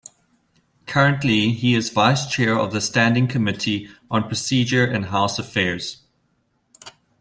Currently he is Vice-Chair of the Standing Committee on Procedure and House Affairs.